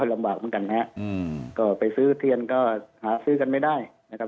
ลำบากเหมือนกันนะฮะก็ไปซื้อเทียนก็หาซื้อกันไม่ได้นะครับ